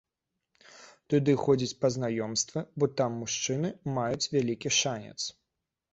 Туды ходзяць па знаёмствы, бо там мужчыны маюць вялікі шанец.